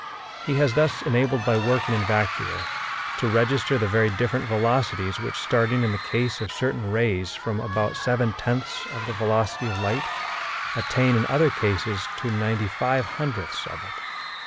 He has thus been enabled by working in vacuo to register the very different velocities which, starting in the case of certain rays from about seven tenths of the velocity of light, attain in other cases to ninety five hundredths of it.